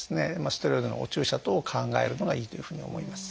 ステロイドのお注射等を考えるのがいいというふうに思います。